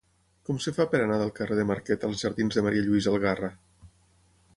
Com es fa per anar del carrer de Marquet als jardins de Ma. Lluïsa Algarra?